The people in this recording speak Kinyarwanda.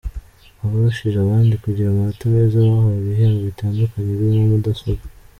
Abarushije abandi kugira amanota meza bahawe ibihembo bitandukanye birimo mudasombwa.